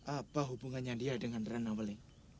apa hubungannya dia dengan rana waling